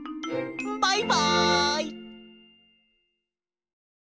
バイバイ！